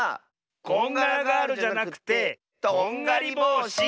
こんがらガールじゃなくてどんがりぼうし！